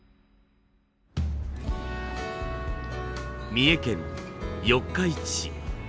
三重県四日市市。